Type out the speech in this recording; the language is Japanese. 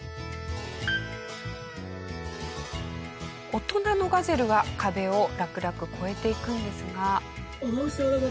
大人のガゼルは壁をラクラク越えていくんですが。